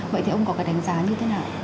vậy thì ông có cái đánh giá như thế nào